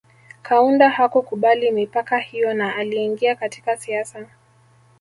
Kaunda hakukubali mipaka hiyo na aliingia katika siasa